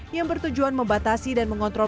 yang bertujuan membatasi dan mengontrol